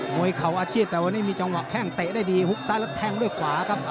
ยเข่าอาชีพแต่วันนี้มีจังหวะแข้งเตะได้ดีหุบซ้ายแล้วแทงด้วยขวาครับ